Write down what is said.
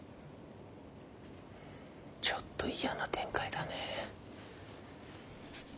ちょっと嫌な展開だね。